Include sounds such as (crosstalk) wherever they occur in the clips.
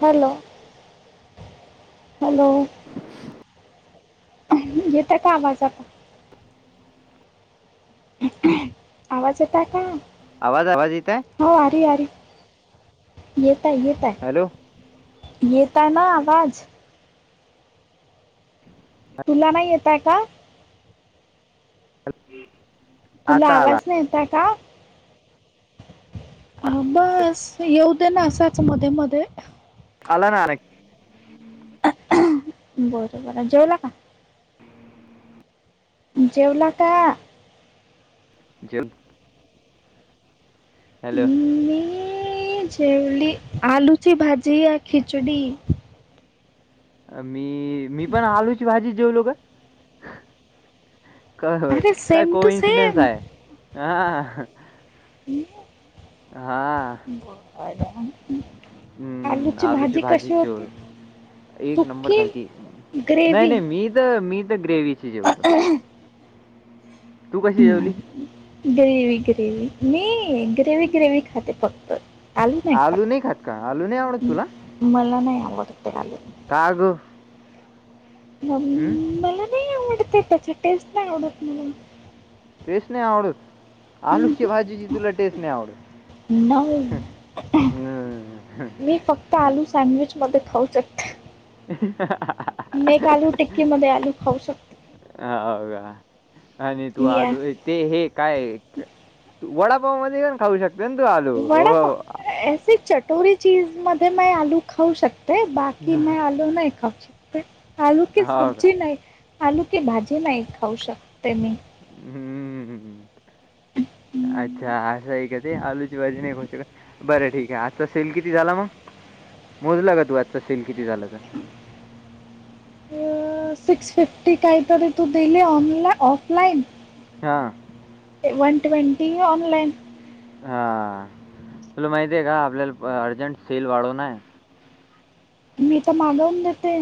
Hello, hello येत का आवाज आता आवाज येतय का आवाज, आवाज येतय हो अरे, अरे येत आहे, येत आहे हॅलो येत आहे ना आवाज तुला नाही येतय का तुला आता आला आवाज नाही येत आहे का हा बस येऊ दे ना असाच मध्ये, मध्ये आला ना (unintelligible) बर, बर जेवला का? जेवला का जेव हॅलो मी जेवली आलुची भाजी या खिचडी मी, मी पण आलूची भाजीच जेवलो ग कय होय अरे काय सेम टू कोइन्सिडेंस सेम आहे हा हां (unintelligible) आलूची भाजी कशी होती एक नंबर सुकी भाजी नाही, ग्रेवी नाही मी तर, मी तर ग्रेवीची जेवलो (unintelligible) तू कशी जेवली डू यू ग्रेवी मी ग्रेवी, ग्रेव्ही खाते फक्त आलू नाही खात का आलू नाही आवडत म- तुला मला नाही आवडते आलू. का ग? ह. हम. मला नाही आवडत. त्याची टेस्ट नाही आवडत. टेस्ट नाही आवडत. आलू मला ची भाजीची तुला टेस्ट नाही आवडत. हम्म. नऊ. आलू सँडविच मध्ये खाऊ शकत. (unintelligible) मी एक आलू टिक्कीमध्ये आलू खाऊ शकतो. हो, का आणि तू या आलू एक ते, हे काय, तू वडापावामध्ये पण खाऊ शक त. आलू. हो वडापाव. हो ऐसे चटोरी चीज मध्ये म आलू खाऊ शक हे बाकी म आलू नाही खाऊ शकत. आलू की का सब्जी नाही. आलू की भाजी नाही खाऊ शकते मी. हम्म. हम्म. अच्छा, असं आहे का ते, आलूची भाजी नाही खाऊ शकत. बरं. ठीक आहे. आजचा सेल किती झाला मग? मोजला का तू आजचा सेल किती झाला ते? अ सिक्स फिफ्टी काहीतरी तू दिले ऑन ऑफलाईन. हा. One twenty online. हा. तुला माहितीय का आपल्याला अर्जंट सेल वाडून हाय. मी तर मागवून देते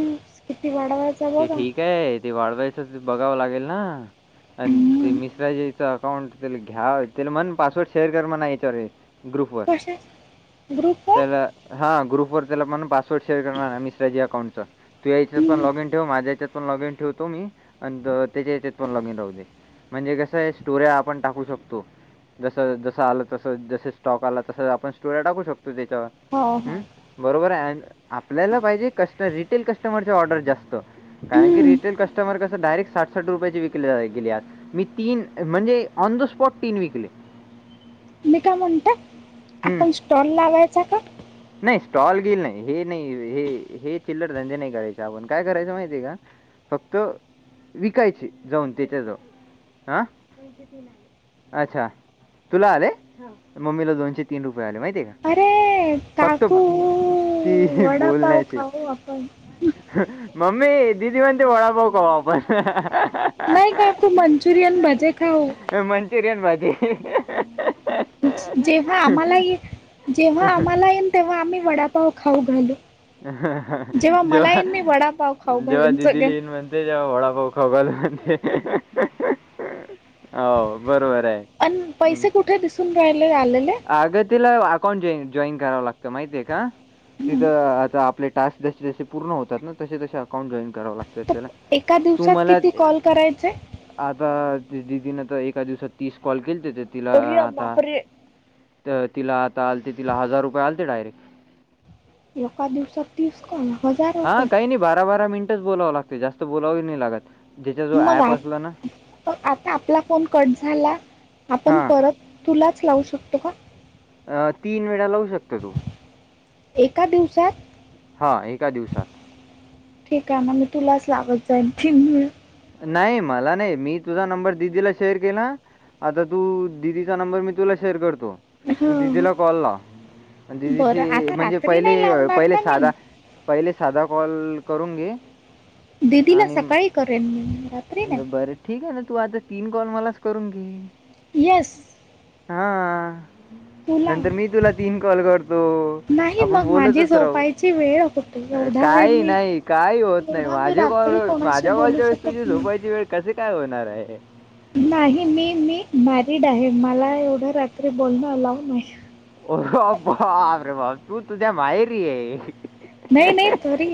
किती वाढवायच. ते ठीक आहे. ते वाढवायचं बघावं लागेल ना. आणि ते हम्म. मिश्राजीचं अकाउंट पहीला घ्या. त्याला म्हण पासवर्ड शेअर कर म्हणा याच्यावर हे. ग्रुपवर कशा ग्रुप आहे त्याला हा ग्रुप वर त्याला म्हणून पासवर्ड शेअर कर ना मिश्राजी अकाउंटचं तू याच्या पण हम्म. लॉग इन ठेव माझ्या याच्यात पण लॉगिन ठेवतो मी. आणि त्याच्या याच्यात पण लॉगिन राहुदे. म्हणजे कसं आहे स्टोर्या आपण टाकू शकतो. जस जसं आलं तस जस स्टॉक आला तस आपण स्टोर्या टाकू शकतो त्याच्यावर हो हो हम्. बरोबर आहे. आणि आपल्याला पाहिजे कस रिटेल कस्टमर ची ऑर्डर जास्त. कारण की हम्म. रिटेल कस्टमर कसं डायरेक्ट साठ साठ रुपयाची विकली केली आज. मी तीन म्हणजे ऑन द स्पॉट तीन विकले. मी काय म्हणते हं. आपण स्टॉल लावायचा का? नाही. स्टॉल बील नाही. हे नाही हे हे चिल्लर धंदे नाही करायचे आपण काय करायच माहिती आहे का. फक्त विकायची जाऊन त्याच्या जवळ हा. अच्छा, तुला आले. मम्मीला दोनशे तीन रुपये आले माहिती आहे का? अरे फक्त काकू ती वडापाव बोलण्याची. खाऊ आपण मम्मी दीदी म्हणते वडापाव खाऊ आपण. नाही. काकू मंचुरियन भजे खाऊ. मंचूरियन, भजी. जेव्हा आम्हाला ये, जेव्हा आम्हाला ये तेव्हा आम्ही वडापाव खाऊ घालू. जेव्हा मला जवा येईन मी वडापाव खाऊ जवा घालेन दीदी सगळ्यां ला येईन मंजे ते जेव्हा वडापाव खाईल म्हणते, हो बरोबर आहे. अन हं. पैसे कुठे दिसून राहिले आलेले. आग तिला अकाउंट जॉईन करावं लागतं माहिती आहे का, हम्म. तिथं आता आपले टस्क जसे जसे पूर्ण होतात ना, तसे तसे अकाउं जॉन कराव लातं. तर तेला, एका तु दिवसात मला किती कॉल करायचे आता दिदीन तर एका दिवसात तीस कॉल केले ते आरे बापरे... ! तर तिला आता आलते तिला हजार रुपये आलते डायरेक्ट. एका दिवसात तीस कॉल हजार रुपये. बारा-बारा मिनटच बोलावं लागते, जास्त बोलाव नाही लागत. ज्याच्याजवळ मग ॲप आत, असला ना आता आपला फोन कट झाला आपण हां. परत तुलाच लावू शकतो का अ तीन वेळा लावू शकतो तू. एका दिवसात. हा एका दिवसात. ठीक आहे. मग मी तुलाच लावत जाईन ती. नाही, मला नाही, मी तुझा नंबर दिदीला शेअर केला. आता तू दिदीचा नंबर मी तुला शेअर करतो. तू हं. दिदीला कॉल लाव, बरं दिदीशी आता म्हणजे रात्री पहिले नाही अ लावणार पहिले ना मी साधा पहिले साधा कॉल करून घे दिदीला आणि सकाळी करेन मी. रात्री बरं ठीक आहे ना, तू आता तीन कॉल मलाच करून घे. येस. हा. तुला नंतर मी तुला तीन कॉल करतो, नाही आपण मग माझी बोलतच राहू. झोपायची वेळ होते एवढा वेळ काही मी नाही, काही होत नाही, एवढा मी माझे कॉल रात्री कोणाशी माझ्या बोलू कॉलच्या वेळेस तुझी शकत नाही झोपायची वेळ कसे काय होणार आहे. नाही मी-मी मॅरिड आहे. मला एवढं रात्री बोलणं अलाव नाही. होर बापरे बाप... ! तू तुझ्या माहेरी ये. नाही-नाही तरी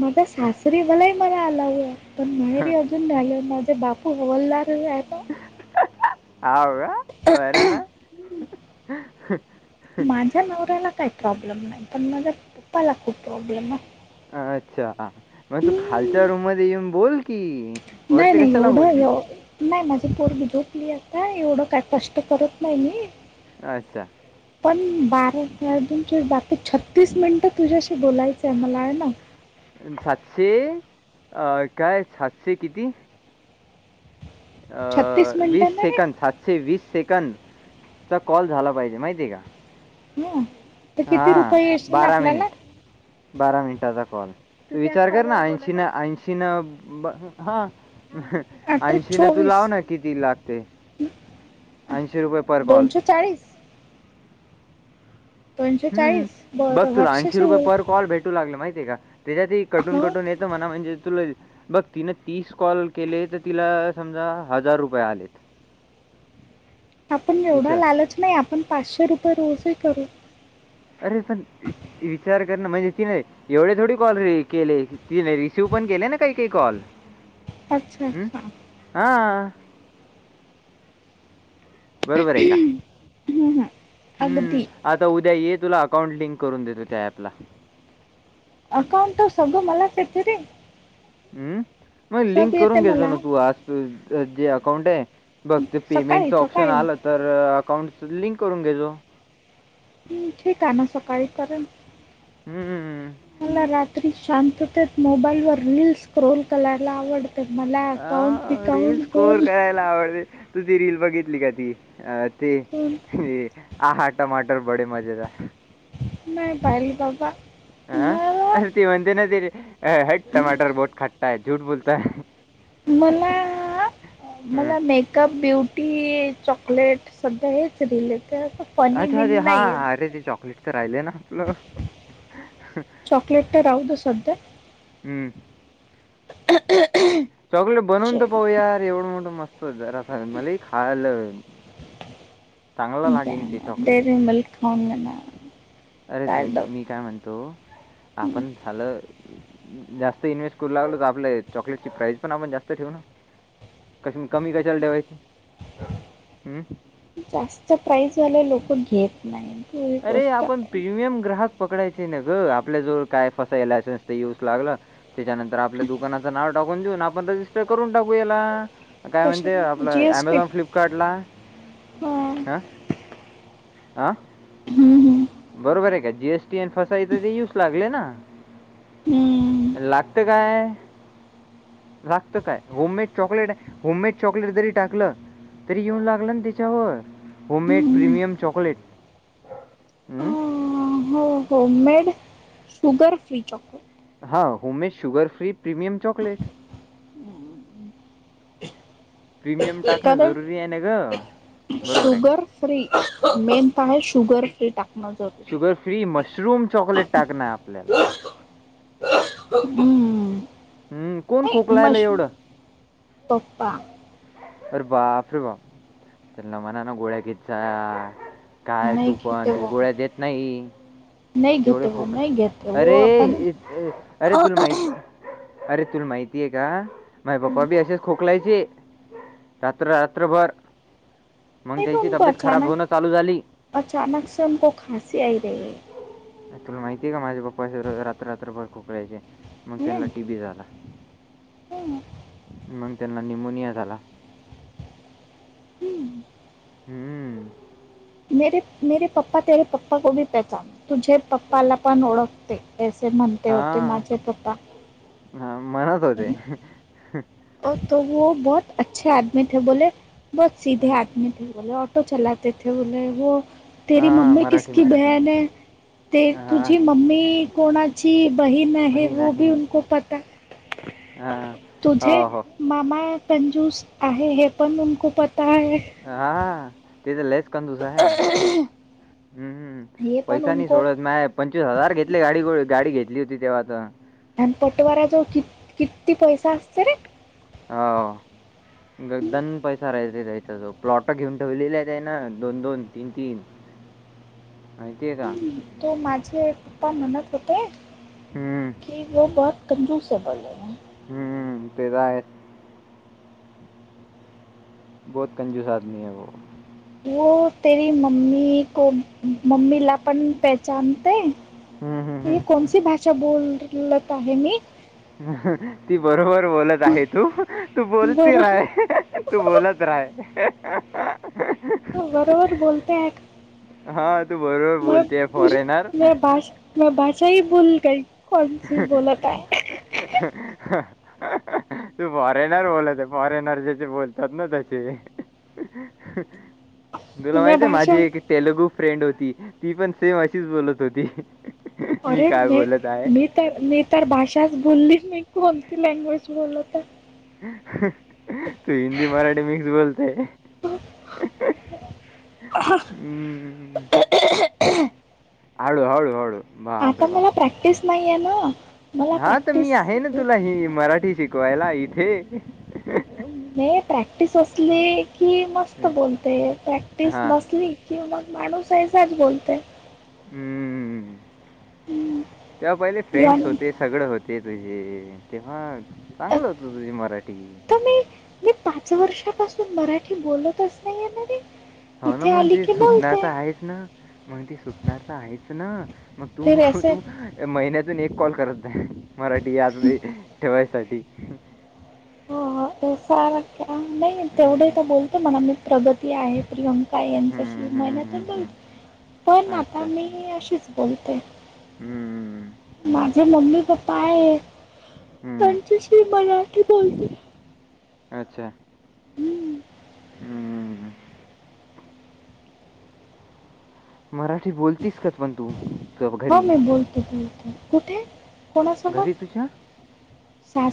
माझ सासरी मलाही मला अलाव हो, पण माहेरी पण झालं माझं बापू हवलदार आहे. तर हव का, बर ना. माझ्या नवऱ्याला काही प्रॉब्लेम नाही. पण माझ्या पप्पाला खूप प्रॉब्लेम आहे. अच्छा, मग तू खालच्या हम्म. रूम मध्ये येऊन बोल की. वरती नाही-नाही कशाला एवढं बोलती? आहे. नाही माझी पोरब झोपली आता, एवढं का कष्ट करत नाही मी. अच्छा. पण बारा अजून बाकी छत्तीस मिनिटं तुझ्याशी बोलायचं आहे मला, आहे ना. सातशे अ काय सातशे किती. छत्तीस अ वीस मिनिटं ना रे सेकंद, सातशे वीस सेकंद चा कॉल झाला पाहिजे, माहिती आहे का. हं. तर हा, किती रुपये येशील बारा मिनिट, आपल्याला बारा मिनिटाचा कॉल. विचार कर ना, ऐंशी ना, ऐंशीन हा. अठरा ऐंशी न तू लाव चोवीस ना, किती लागते, ऐंशी रुपये पर कॉल. दोनशे चाळीस दोनशे हम्म चाळीस. बघ, बरं तुला ऐंशी हर्षाशी रुपये बोल पर कॉल भेटू लागल माहितीय का, त्याच्यातही कटून हं कटून येतं म्हणा, म्हणजे तुला बघ, तिन तीस कॉल केले, तर तिला समजा हजार रुपये आलेत. आपण एवढा विचार लालचं नाही, आपण पाचशे रुपये रोजही करू अरे पण, इ इचार करणं म्हणजे तिने एवढे थोडी कॉल री केले, तिने रिसीव्ह पण केले ना काही काही कॉल. अच्छा! हां. हा, बरोबर हाय का? हम्म हम्म, हं. अगदी आता उद्या ये, तुला अकाउंट लिंक करून देतो त्या ऍपला. अकाउंट सगळं मलाचं येते रे हम्म! मग लिंक सब येते करून घ्यायचो मला ना तू, आज (unintelligible) जे अकाउंट आहे. बघ, ते सकाळी पेमेंटचं ऑप्शन सकाळी आलं, तर अकाउंटस् लिंक करून घेतो. हम्! ठीक आहे ना, सकाळी करेन. हम्म! मला रात्री शांततेत, मोबाईल वर रीलस स्क्रेल करायला आवडत. मला अकाउंट बीकाऊंट मला आवड, तू ती रील बघितली का ती? अ ते बोल हे आ हा, टमाटर बडे मजेदार. नाही पाहिली बाबा. आ, मला अरे ती म्हणते ना ते, हट टमाटर बहोत खट्टा है, झूठ बोलता. मला आ हं. मला मेकअप, ब्युटी, चॉकलेट सध्या हेच रिल येतात. अच्छा अच्छा! हा, अरे ते चॉकलेटच राहिलेय ना, आपलं चॉकलेट तर राहूदे सध्या हम्म. (unintelligible) (inaudible) चॉकलेट बनवून शे तर पाहू यार, एवढं मोठं मस्त जरासं मला ही खायालं (unintelligible) चॉकलेट. डेअरी मिल्क खाऊन (unintelligible) अरे तुम्ही, डब मी काय म्हणतो, आपण खालं जास्त इन्व्हेस्ट करू लागलो, तर आपल्या चॉकलेटची प्राइज पण आपण जास्त ठेवू ना. कश म कमी कशाला ठेवायची? हम्म. जास्त प्राईज वाले लोकं घेत नाहीत. अरे आपण प्रीमियम ग्राहक पकडायचे ना ग, आपल्या जवळ काय फसाय लायसन्स येऊच लागलं. त्याच्यानंतर आपल्या दुकानाचं नाव टाकून देऊन, आणि आपण रजिस्टर करून टाकू याला. काय म्हणते, कशाला जी आपलं एस टी अमेझॉन फ्लिप काटला, हां हा अ हम्म, हम्म, बरोबर आहे का, जी. एस. टी आणि फसाई तर ते येऊस लागले ना. हम्म, लागतं काय? लागतं काय, होममेड चॉकलेट, होममेड चॉकलेट जरी टाकलं तरी येऊन लागलं ना तीच्यावर, होममेड हम्म. Premium chocolate. हं? अं, हो हो, मेड शुगर फ्री चॉकलेट. हां, होमे sugar free premium chocolate. (unintelligible) (inaudible) Premium टाकणं कारण जरुरी येन शुगर फ्री मेन पहाय शुगर फ्री टाकणं जरुरी शुगर फ्री मशरूम चॉकलेट टाकणाय आपल्याला. हम्म हम्म हम्म. हम्म. कोण नाही खोकलायला मशरू एवढं पप्पा अरे बापरे बापं त्यानंला म्हणा ना गोळ्या घेतं जा. काय नाही तू पण घेते तू वो गोळ्या देत नाही. नाही एवढे घेते वो खोकळ नहीं घेते वो अरे अपन ए अरे तुला माहिती अरे तुल माहितीये का माझे पप्पा हम्म, बी असेच खो कलायचे रात्र रात्रभर मंग नहीं तो त्याची उनको तब्येत खराब अचानक होणं चालू झाली. (unintelligible) तुला माहितीय आहे का माझ्या पप्पा असं रात्र रात्रभर खोकलायचे मग त्यांला टी बी झाला. हां. मंग त्यांना निमोनिया झाला. हम्म. हम्म. (unintelligible) पप्पाला पण ओळखते ऐसे म्हणते होते माझे पप्पा. हा म्हणत होते. हं. (unintelligible) हां, मराठी, मराठी. (unintelligible) ते हां, तुझी मम्मी कोणाची बहीण आहे. (unintelligible) आं (unintelligible) आं ते तर लयच कंजूस आहे हम्म. हे पण पैसा नाही उनको सोडत माय पंचवीस हजार घेतले गाडी हो गाडी घेतली होती तेव्हा तर. आणि पटवाऱ्या जो कि किती पैसा असतं रे. आव गद्दन पैसा राहायचा त्याचा जो प्लॉट घेऊन ठेवलेले आहे त्यानं दोन-दोन, तीन-तीन. ह माहिती आहे का? तो माझे पप्पा म्हणत होते हम्म, की. (unintelligible) (unintelligible) हम्म ते तर आहे. (unintelligible) (unintelligible) हम्म हम्म. (unintelligible) हम्म. बोलत आहे मी. ती बरोबर बोलत आहे तू तू बोलती बरोबर राहय. तू बोलत राहय. तो बरोबर बोलतय ऐक मी मैं (unintelligible) (unintelligible) (unintelligible) तु फॉरेनर बोलत आहे फॉरेनर जसे बोलतात ना तसे. (unintelligible) तुला माहित मैं हाय माझी भाषा एक तेलगू फ्रेंड होती ती पण सेम अशीच बोलत होती. मी अरे काय बोलत आहे. मी तर मी तर भाषा बोललीच न्हाय मी कोणती लँग्वेज बोललो तर. तु हिंदी मराठी मिक्स बोलते. हम्म. (unintelligible) हळू हळू हळू! आता बापरे बाप! मला प्रॅक्टिस नाहीये ना मला हां, तर मी प्रॅक्टिस आहे ना तुला ही मराठी शिकवायला इथे मी प्रॅक्टिस असली की मस्त हं, बोलते प्रॅक्टिस हां. नसली की मग माणूस हैसाच बोलते. हम्म तेव्हा पहिले फ्रेंड्स आणि होते. सगळं होते तुझे तेव्हा चांगलं होतं तुझी मराठी. आता मी मी पाच वर्षापासून मराठी बोलतच नाहीय ना बे. हाऊ ना मग ते सुटणार तर आहेच ना. मग ती सुटणार तर आहेच ना मग फिर तु असे तु महिन्यातून एक कॉल करत जाय मराठी याद बी ठेवायसाठी. हो नाही तेवढे हं. तर बोलतो म्हणा आ मी प्रगती आहे प्रियंका (unintelligible) काही यांच्याशी हं, हं, महिन्यातून हं, बोल हं. पण आता मी अशीच बोलते. हम्म! माझे मम्मी पप्पा आहे, हं, त्यांच्याशी मराठी बोलते अच्छा! हम्म. हं. मराठी बोलतीस का पण तू? ग- हो घरी? मी बोलते बोलते कुठे? कोणा घरी सोबत? तुझ्या?